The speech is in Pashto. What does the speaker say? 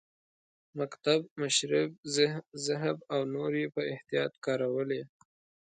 مکتب، مشرب، ذهب او نور یې په احتیاط کارولي.